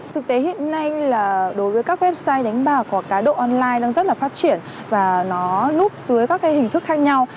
thực tế hiện nay là đối với các website đánh bà của cá độ online đang rất là phát triển và nó núp dưới các hình thức khác nhau